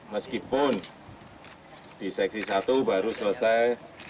meskipun di seksi satu baru selesai